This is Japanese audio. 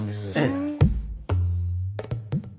ええ。